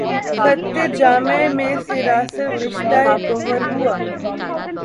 خطِ جامِ مے سراسر، رشتہٴ گوہر ہوا